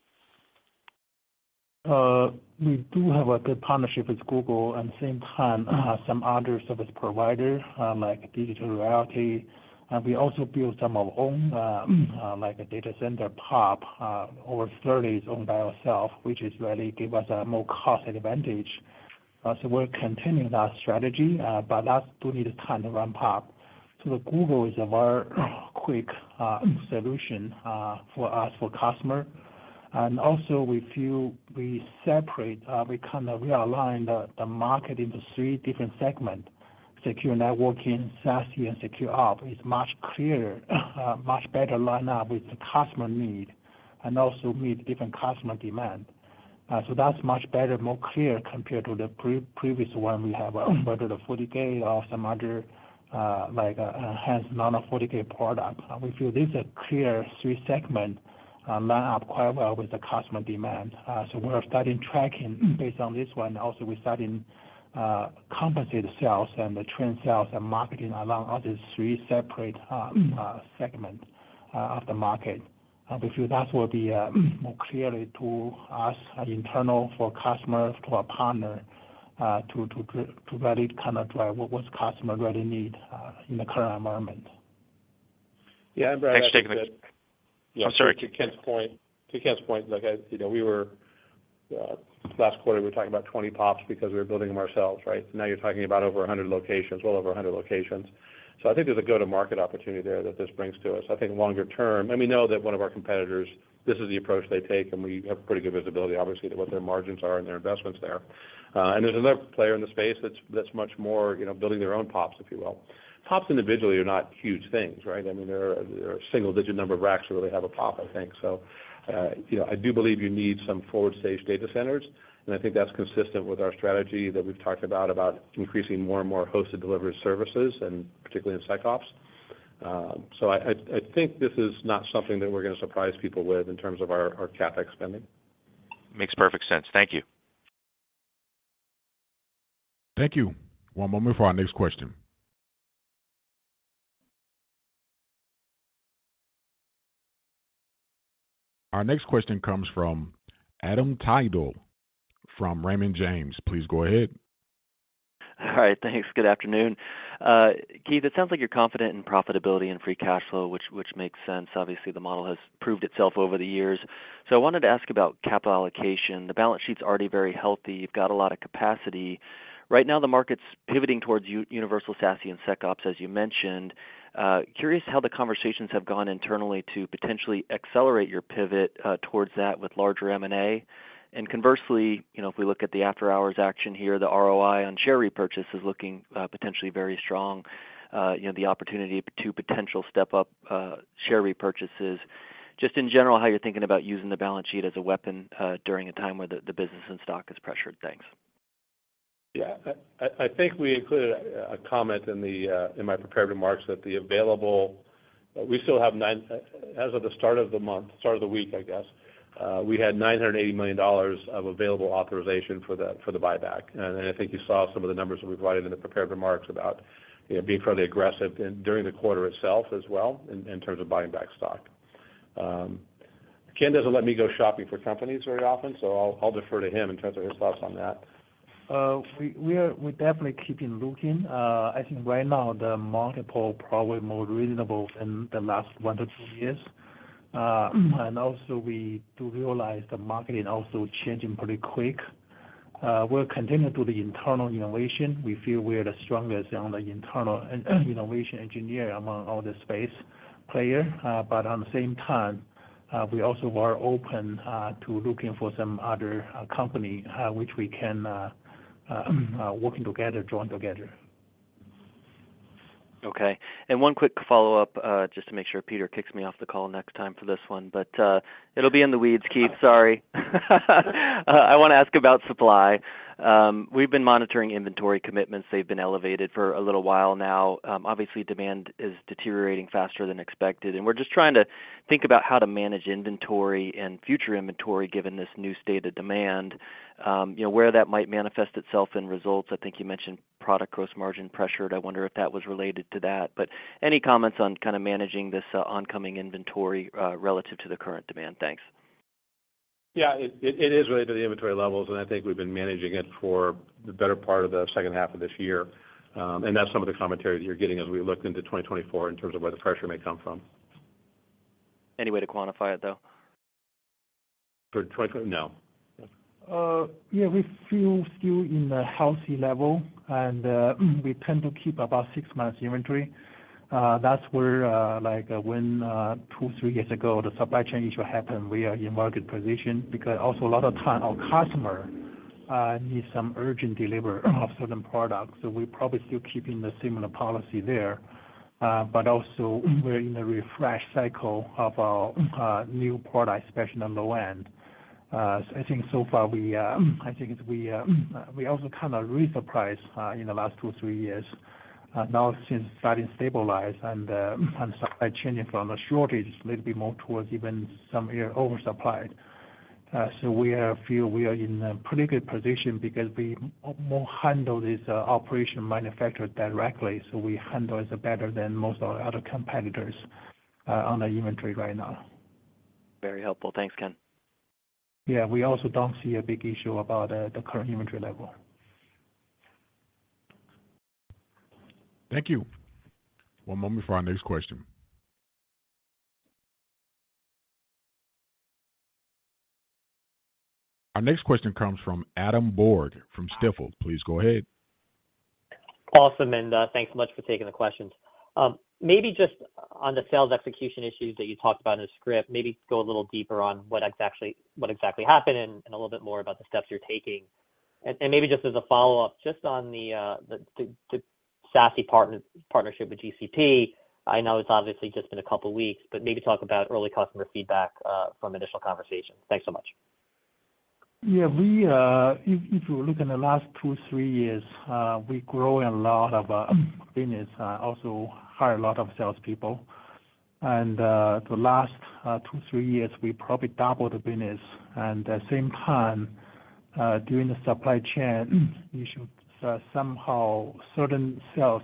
S3: We do have a good partnership with Google, and same time, some other service provider, like Digital Realty. And we also build some of own, like a data center POP, over 30, owned by ourself, which is really give us a more cost advantage. So we're continuing that strategy, but that do need time to ramp up. So the Google is a very quick solution, for us, for customer. And also we feel we separate, we kind of realign the, the market into three different segment, Secure Networking, SASE, and secure op is much clearer, much better line up with the customer need and also meet different customer demand. So that's much better, more clear compared to the pre-previous one we have, whether the FortiGate or some other, like, enhanced nano FortiGate product. We feel this is a clear three segment, line up quite well with the customer demand. So we're starting tracking based on this one. Also, we're starting compensate the sales and the trend sales and marketing along all these three separate, segment of the market. We feel that will be more clearly to us, as internal, for customers, to our partner, to valid kind of, like, what's customer really need, in the current environment.
S4: Yeah, and Brad-
S10: Next segment. I'm sorry.
S4: To Ken's point, to Ken's point, like I, you know, we were last quarter, we were talking about 20 POPs because we were building them ourselves, right? Now, you're talking about over 100 locations, well over 100 locations. So I think there's a go-to-market opportunity there that this brings to us. I think longer term, and we know that one of our competitors, this is the approach they take, and we have pretty good visibility, obviously, to what their margins are and their investments there. And there's another player in the space that's much more, you know, building their own POPs, if you will. POPs individually are not huge things, right? I mean, there are single-digit number of racks where they have a POP, I think. So, you know, I do believe you need some forward-stage data centers, and I think that's consistent with our strategy that we've talked about, about increasing more and more hosted delivery services, and particularly in SecOps. So I think this is not something that we're gonna surprise people with in terms of our CapEx spending.
S10: Makes perfect sense. Thank you.
S1: Thank you. One moment for our next question. Our next question comes from Adam Tindle from Raymond James. Please go ahead.
S11: All right, thanks. Good afternoon. Keith, it sounds like you're confident in profitability and free cash flow, which makes sense. Obviously, the model has proved itself over the years. So I wanted to ask about capital allocation. The balance sheet's already very healthy. You've got a lot of capacity. Right now, the market's pivoting towards Universal SASE and SecOps, as you mentioned. Curious how the conversations have gone internally to potentially accelerate your pivot towards that with larger M&A. And conversely, you know, if we look at the after-hours action here, the ROI on share repurchase is looking potentially very strong, you know, the opportunity to potential step up share repurchases. Just in general, how you're thinking about using the balance sheet as a weapon during a time where the business and stock is pressured? Thanks.
S4: Yeah. I think we included a comment in my prepared remarks that the available. We still have, as of the start of the month, start of the week, I guess, we had $980 million of available authorization for the buyback. And I think you saw some of the numbers that we provided in the prepared remarks about, you know, being fairly aggressive during the quarter itself as well, in terms of buying back stock. Ken doesn't let me go shopping for companies very often, so I'll defer to him in terms of his thoughts on that.
S3: We're definitely keeping looking. I think right now, the multiple probably more reasonable than the last 1-2 years. And also we do realize the market is also changing pretty quick. We're continuing to the internal innovation. We feel we are the strongest on the internal innovation engineering among all the space player. But on the same time, we also are open to looking for some other company which we can working together, drawing together.
S11: Okay. And one quick follow-up, just to make sure Peter kicks me off the call next time for this one. But, it'll be in the weeds, Keith, sorry. I wanna ask about supply. We've been monitoring inventory commitments. They've been elevated for a little while now. Obviously, demand is deteriorating faster than expected, and we're just trying to think about how to manage inventory and future inventory, given this new state of demand. You know, where that might manifest itself in results. I think you mentioned product gross margin pressured. I wonder if that was related to that. But any comments on kind of managing this, oncoming inventory, relative to the current demand? Thanks.
S4: Yeah, it is related to the inventory levels, and I think we've been managing it for the better part of the second half of this year. And that's some of the commentary that you're getting as we look into 2024 in terms of where the pressure may come from.
S11: Any way to quantify it, though?
S4: For 2024 No.
S3: Yeah, we feel still in a healthy level, and we tend to keep about six months inventory. That's where, like, when two, three years ago, the supply chain issue happened, we are in market position because also a lot of time, our customer need some urgent delivery of certain products. So we probably still keeping a similar policy there. But also, we're in a refresh cycle of our new product, especially on the low end. So I think so far we, I think it's we, we also kind of repriced in the last two, three years. Now since starting to stabilize and supply chain from a shortage, little bit more towards even some year oversupply. So we are feel we are in a pretty good position because we more handle this operation manufacture directly, so we handle it better than most of our other competitors on the inventory right now.
S11: Very helpful. Thanks, Ken.
S3: Yeah, we also don't see a big issue about the current inventory level.
S1: Thank you. One moment for our next question. Our next question comes from Adam Borg, from Stifel. Please go ahead.
S12: Awesome, and thanks so much for taking the questions. Maybe just on the sales execution issues that you talked about in the script, maybe go a little deeper on what exactly, what exactly happened and a little bit more about the steps you're taking. And maybe just as a follow-up, just on the SASE partnership with GCP, I know it's obviously just been a couple weeks, but maybe talk about early customer feedback from initial conversations. Thanks so much.
S3: Yeah, we, if you look in the last two, three years, we grow a lot of business, also hire a lot of salespeople. In the last two, three years, we probably double the business, and at the same time, during the supply chain issue, somehow certain sales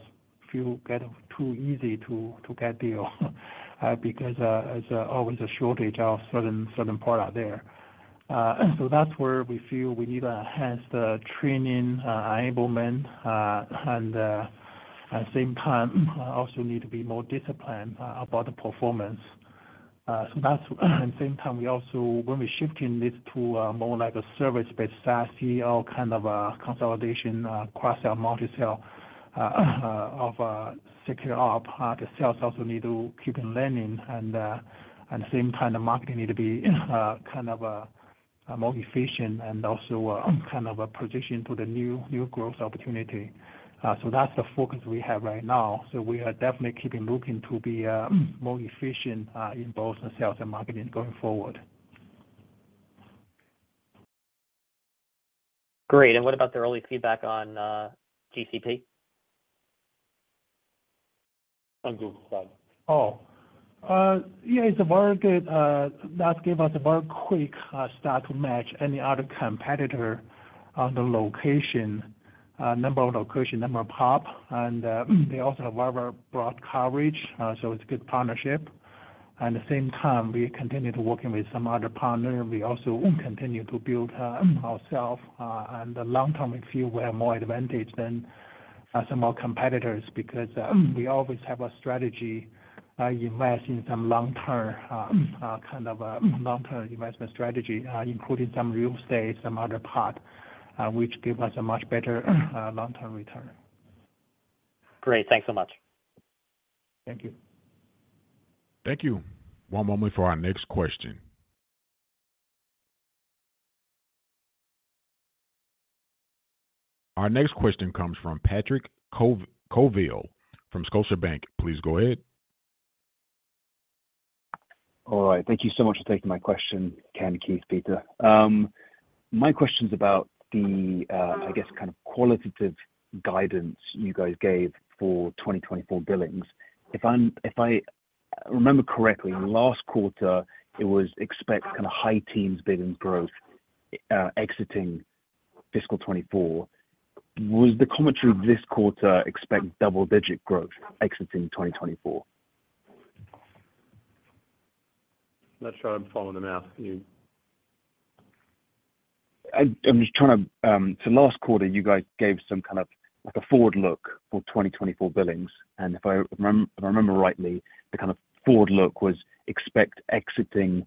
S3: feel kind of too easy to get deal, because there's always a shortage of certain product there. So that's where we feel we need to enhance the training, enablement, and at the same time, also need to be more disciplined about the performance. So that's, at the same time, we also when we're shifting this to more like a service-based SASE or kind of consolidation, cross-sell, multi-sell of SecOps, the sales also need to keep learning. At the same time, the marketing need to be kind of more efficient and also kind of positioned to the new growth opportunity. That's the focus we have right now. We are definitely keep looking to be more efficient in both the sales and marketing going forward.
S12: Great. What about the early feedback on GCP?
S4: On Google side.
S3: Oh, yeah, it's a very good that gave us a very quick start to match any other competitor on the location, number of location, number of POP. And, they also have very broad coverage, so it's a good partnership. At the same time, we continue to working with some other partner, and we also continue to build, ourself. And the long term, we feel we have more advantage than, some of our competitors because, we always have a strategy, invest in some long-term, kind of, long-term investment strategy, including some real estate, some other part, which give us a much better, long-term return.
S12: Great. Thanks so much.
S3: Thank you.
S1: Thank you. One moment for our next question. Our next question comes from Patrick Colville from Scotiabank. Please go ahead.
S13: All right. Thank you so much for taking my question, Ken, Keith, Peter. My question's about the, I guess, kind of, qualitative guidance you guys gave for 2024 billings. If I'm -- if I remember correctly, last quarter, it was expect kind of high teens billings growth, exiting fiscal 2024. Was the commentary of this quarter expect double-digit growth exiting 2024?
S4: Not sure I'm following them asking you.
S13: I'm just trying to so last quarter, you guys gave some kind of like a forward look for 2024 billings, and if I remember rightly, the kind of forward look was expect exiting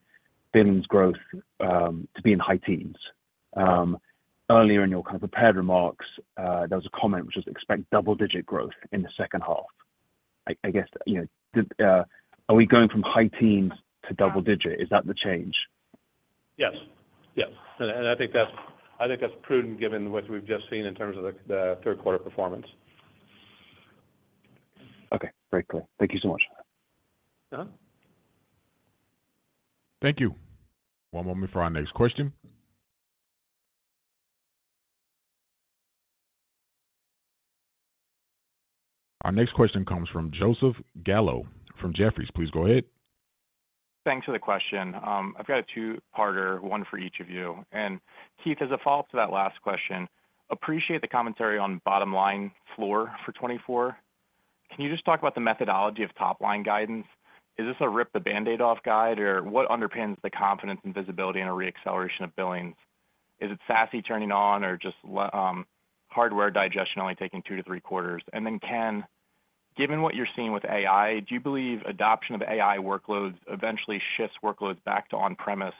S13: billings growth to be in high teens. Earlier in your kind of prepared remarks, there was a comment which was expect double-digit growth in the second half. I guess, you know, are we going from high teens to double digit? Is that the change?
S4: Yes. Yes, and I think that's prudent given what we've just seen in terms of the Q3 performance.
S13: Okay, very clear. Thank you so much.
S4: Uhuh.
S1: Thank you. One moment for our next question. Our next question comes from Joseph Gallo from Jefferies. Please go ahead.
S14: Thanks for the question. I've got a two-parter, one for each of you. And Keith, as a follow-up to that last question, appreciate the commentary on bottom line floor for 2024. Can you just talk about the methodology of top line guidance? Is this a rip the Band-Aid off guide, or what underpins the confidence and visibility in a re-acceleration of billings? Is it SASE turning on or just hardware digestion only taking 2-3 quarters? And then, Ken, given what you're seeing with AI, do you believe adoption of AI workloads eventually shifts workloads back to on-premise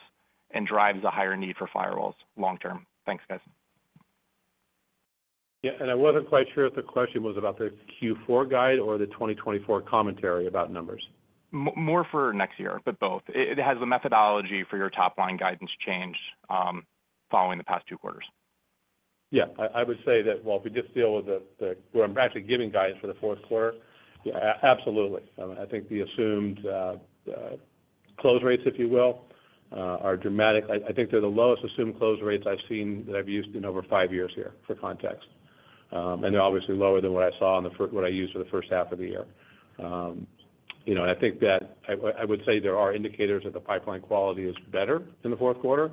S14: and drives a higher need for firewalls long term? Thanks, guys.
S4: Yeah, and I wasn't quite sure if the question was about the Q4 guide or the 2024 commentary about numbers.
S14: More for next year, but both. It has the methodology for your top line guidance change, following the past two quarters.
S4: Yeah. I would say that, well, if we just deal with the -- we're practically giving guidance for the Q4. Absolutely. I mean, I think the assumed close rates, if you will, are dramatic. I think they're the lowest assumed close rates I've seen that I've used in over five years here, for context. And they're obviously lower than what I used for the first half of the year. You know, and I think that I would say there are indicators that the pipeline quality is better in the Q4,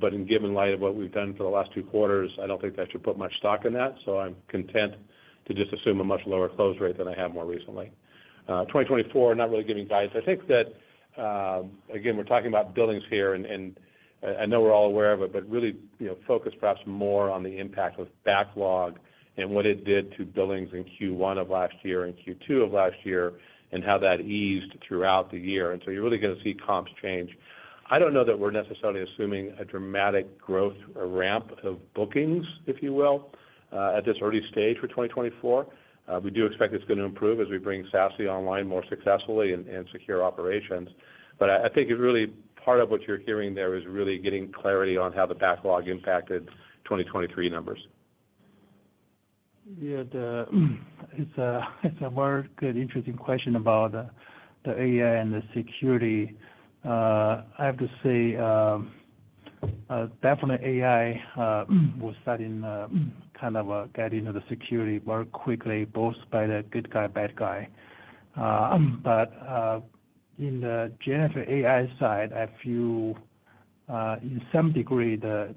S4: but in given light of what we've done for the last two quarters, I don't think that should put much stock in that. So I'm content to just assume a much lower close rate than I have more recently. 2024, not really giving guidance. I think that again, we're talking about billings here, and I know we're all aware of it, but really, you know, focus perhaps more on the impact of backlog and what it did to billings in Q1 of last year and Q2 of last year, and how that eased throughout the year. And so you're really going to see comps change. I don't know that we're necessarily assuming a dramatic growth or ramp of bookings, if you will, at this early stage for 2024. We do expect it's going to improve as we bring SASE online more successfully and secure operations. But I think it really, part of what you're hearing there is really getting clarity on how the backlog impacted 2023 numbers.
S3: Yeah, it's a very good interesting question about the AI and the security. I have to say, definitely AI will start in kind of get into the security very quickly, both by the good guy, bad guy. But in the generative AI side, I feel in some degree the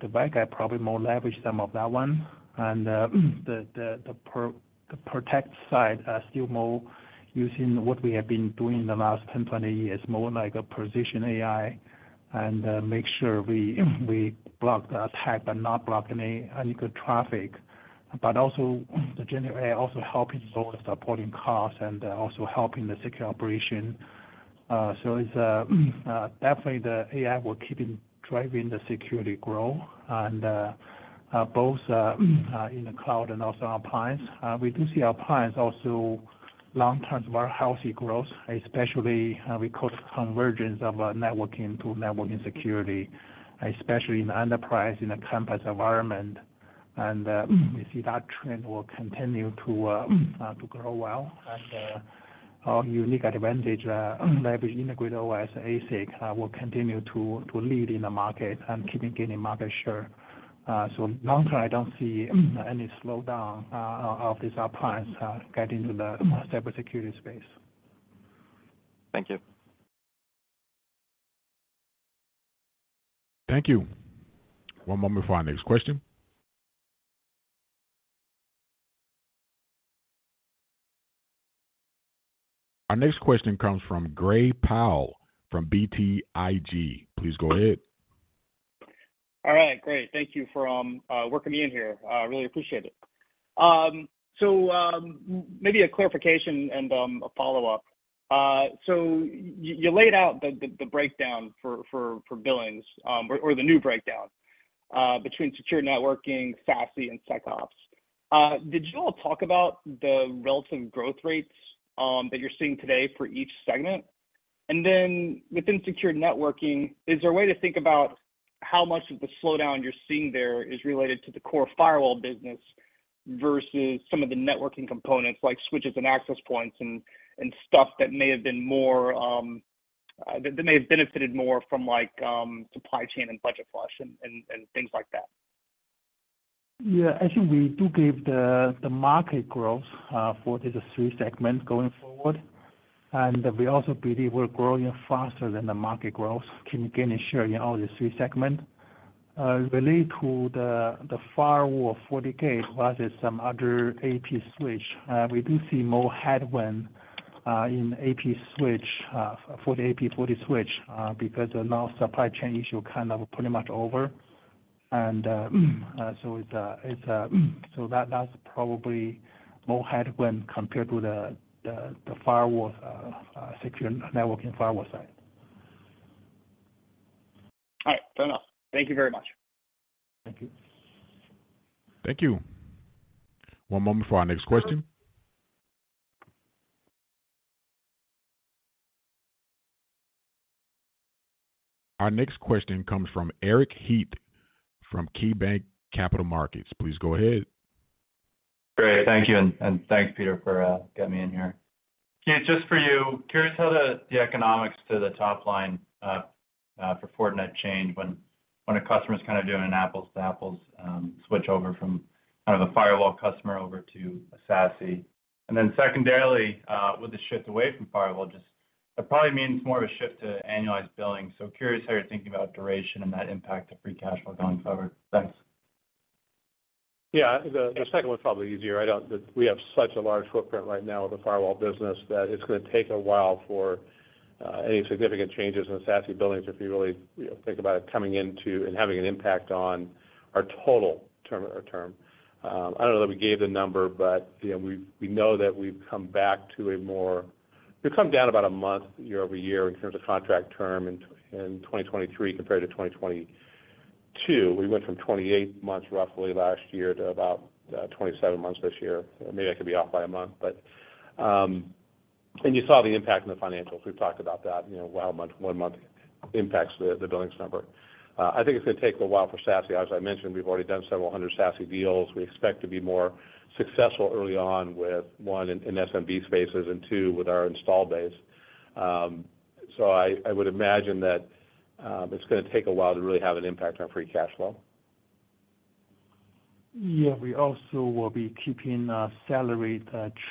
S3: protective side are still more using what we have been doing in the last 10, 20 years, more like a precision AI and make sure we block the attack, but not block any good traffic. But also, the generative AI also helping lower supporting costs and also helping the secure operation. So it's definitely the AI will keeping driving the security growth and both in the cloud and also our appliance. We do see our appliance also long-term very healthy growth, especially we call it convergence of networking to networking security, especially in the enterprise, in the campus environment. We see that trend will continue to grow well. Our unique advantage leverage integrated OS ASIC will continue to lead in the market and keeping gaining market share. So long term, I don't see any slowdown of this appliance getting into the cybersecurity space.
S14: Thank you.
S1: Thank you. One moment for our next question. Our next question comes from Gray Powell from BTIG. Please go ahead.
S15: All right, great. Thank you for working me in here. Really appreciate it. So, maybe a clarification and a follow-up. So you laid out the breakdown for billings, or the new breakdown, between Secure Networking, SASE, and SecOps. Did you all talk about the relative growth rates that you're seeing today for each segment? And then within Secure Networking, is there a way to think about how much of the slowdown you're seeing there is related to the core firewall business versus some of the networking components, like switches and access points and stuff that may have benefited more from like, supply chain and budget flush and things like that?
S3: Yeah, I think we do give the market growth for these three segments going forward. And we also believe we're growing faster than the market growth, continuing sharing in all these three segments. Related to the FortiGate 40F, plus some other FortiAP, FortiSwitch, we do see more headwind in FortiAP, FortiSwitch for the FortiAP, FortiSwitch because now supply chain issue kind of pretty much over. So that's probably more headwind when compared to the FortiGate Secure Networking firewall side.
S15: All right, fair enough. Thank you very much.
S3: Thank you.
S1: Thank you. One moment before our next question. Our next question comes from Eric Heath from KeyBanc Capital Markets. Please go ahead.
S16: Great. Thank you, and, and thanks, Peter, for getting me in here. Keith, just for you, curious how the, the economics to the top line, for Fortinet change when, when a customer's kind of doing an apples to apples, switch over from kind of a firewall customer over to a SASE. And then secondarily, with the shift away from firewall, just it probably means more of a shift to annualized billing. So curious how you're thinking about duration and that impact of free cash flow going forward. Thanks.
S4: Yeah, the, the second one's probably easier. I don't... We have such a large footprint right now with the firewall business that it's going to take a while for any significant changes in the SASE billings, if you really, you know, think about it coming into and having an impact on our total term, term. I don't know that we gave the number, but, you know, we've, we know that we've come back to a more. We've come down about 1 month year-over-year in terms of contract term in 2023 compared to 2022. We went from 28 months, roughly last year, to about 27 months this year. Maybe I could be off by a month, but and you saw the impact in the financials. We've talked about that, you know, how much 1 month impacts the billings number. I think it's going to take a while for SASE. As I mentioned, we've already done several hundred SASE deals. We expect to be more successful early on with, one, in SMB spaces, and two, with our install base. So I would imagine that it's going to take a while to really have an impact on free cash flow.
S3: Yeah, we also will be keeping a salary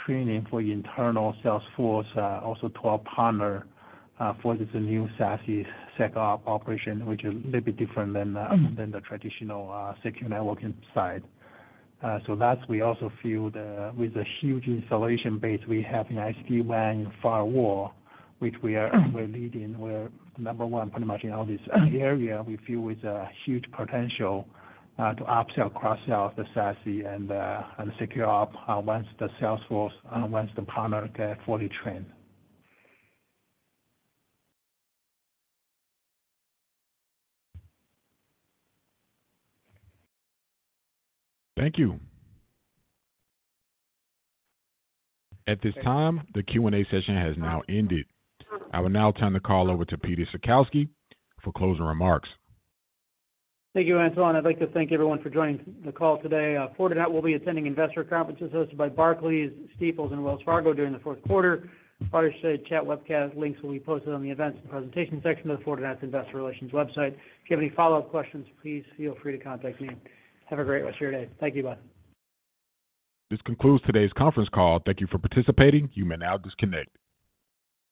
S3: training for internal sales force, also to our partner, for the new SASE SecOps operation, which is a little bit different than the traditional Secure Networking side. So that's we also feel the, with the huge installation base we have in SD-WAN firewall, which we are, we're leading, we're number one pretty much in all this area. We feel with a huge potential to upsell, cross-sell the SASE and secure ops once the salesforce, once the partner get fully trained.
S1: Thank you. At this time, the Q&A session has now ended. I will now turn the call over to Peter Salkowski for closing remarks.
S2: Thank you, Anton. I'd like to thank everyone for joining the call today. Fortinet will be attending investor conferences hosted by Barclays, Stifel, and Wells Fargo during the Q4. Fireside chat webcast links will be posted on the Events Presentation section of the Fortinet Investor Relations website. If you have any follow-up questions, please feel free to contact me. Have a great rest of your day. Thank you. Bye.
S1: This concludes today's conference call. Thank you for participating. You may now disconnect.